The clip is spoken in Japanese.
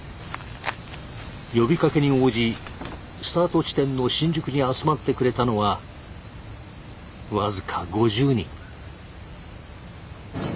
呼びかけに応じスタート地点の新宿に集まってくれたのは僅か５０人。